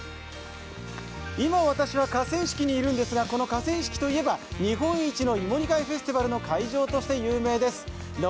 今、私は河川敷にいるんですが、この河川敷といえば日本一の芋煮会の会場として有名です。